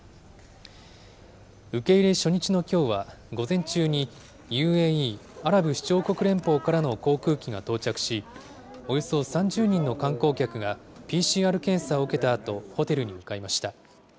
受け入れ初日のきょうは午前中に、ＵＡＥ・アラブ首長国連邦からの航空機が到着し、およそ３０人の観光客がＰＣＲ検査を受けたあと、ホテルに向かいました。